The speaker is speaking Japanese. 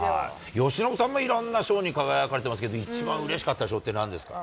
由伸さんもいろんな賞に輝かれてますけど、一番うれしかった賞ってなんですか。